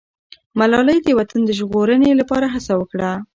ملالۍ د وطن د ژغورنې لپاره هڅه وکړه.